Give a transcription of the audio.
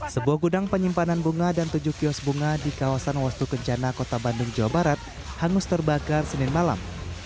sebuah gudang penyimpanan bunga dan tujuh kios bunga di kawasan wastu kencana kota bandung jawa barat hangus terbakar senin malam